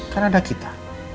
karena ada kita